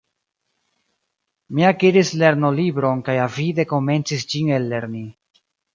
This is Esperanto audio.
Mi akiris lernolibron kaj avide komencis ĝin ellerni.